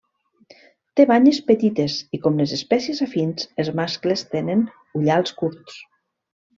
Té banyes petites i, com les espècies afins, els mascles tenen ullals curts.